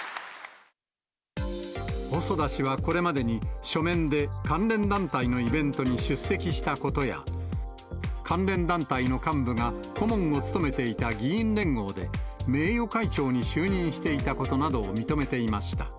細田氏はこれまでに、書面で関連団体のイベントに出席したことや、関連団体の幹部が顧問を務めていた議員連合で、名誉会長に就任していたことなどを認めていました。